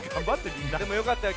でもよかったよ。